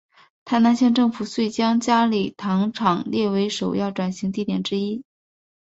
台南县政府遂将佳里糖厂列为首要转型地点之一。